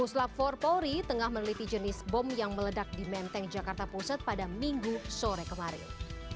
puslap empat polri tengah meneliti jenis bom yang meledak di menteng jakarta pusat pada minggu sore kemarin